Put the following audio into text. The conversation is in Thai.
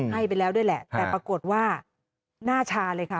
ให้ไปแล้วด้วยแหละแต่ปรากฏว่าหน้าชาเลยค่ะ